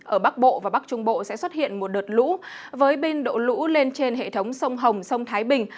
ở bắc bộ và bắc trung bộ sẽ xuất hiện một đợt lũ với biên độ lũ lên trên hệ thống sông hồng sông thái bình